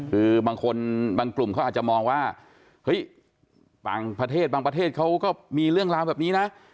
คือบางคนบางกลุ่มเขาอาจจะมองว่าเฮ้ยบางประเทศบางประเทศเขาก็มีเรื่องราวแบบนี้นะ